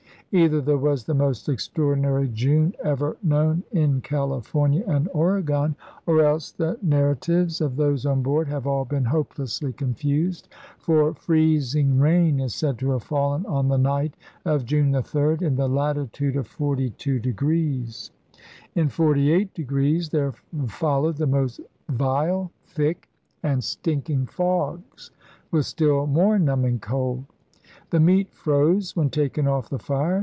Either there was the most extraordinary June ever known in California and Oregon, or else the nar ratives of those on board have all been hopelessly confused, for freezing rain is said to have fallen on the night of June the 3d in the latitude of 42°. 138 ELIZABETHAN SEA DOGS In 48° * there followed most vile, thick, and stinking fogs' with still more numbing cold. The meat froze when taken off the fire.